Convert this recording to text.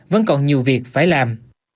vẫn còn nhiều việc phải làm